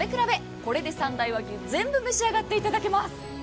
これで三大和牛全部召し上がっていただけます。